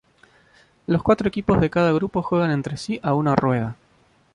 Los cuatro equipos de cada grupo juegan entre sí a una rueda.